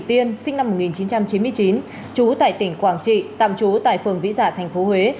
tiên sinh năm một nghìn chín trăm chín mươi chín trú tại tỉnh quảng trị tạm trú tại phường vĩ giả tp huế